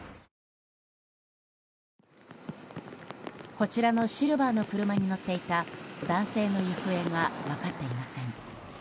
こちらのシルバーの車に乗っていた男性の行方が分かっていません。